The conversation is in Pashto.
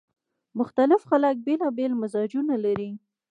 مختلف خلک بیلابېل مزاجونه لري